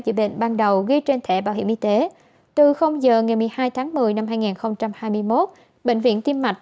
chữa bệnh ban đầu ghi trên thẻ bảo hiểm y tế từ giờ ngày một mươi hai tháng một mươi năm hai nghìn hai mươi một bệnh viện tim mạch